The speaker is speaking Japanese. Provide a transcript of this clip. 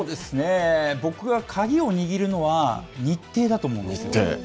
僕は、鍵を握るのは日程だと思うんですよ。